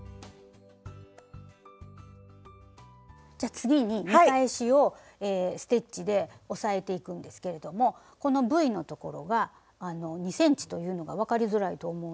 じゃ次に見返しをステッチで押さえていくんですけれどもこのＶのところは２ｃｍというのが分かりづらいと思うので。